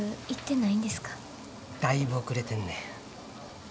だいぶ遅れてんねん。